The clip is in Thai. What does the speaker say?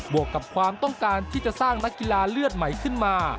วกกับความต้องการที่จะสร้างนักกีฬาเลือดใหม่ขึ้นมา